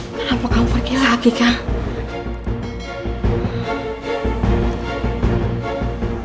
kenapa kamu pergi lagi kak